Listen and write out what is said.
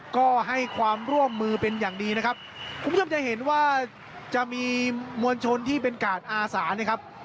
ก็ให้ความร่วมมือเป็นอย่างดีนะครับคุณผู้ชมจะเห็นว่าจะมีมวลชนที่เป็นกาดอาสานะครับ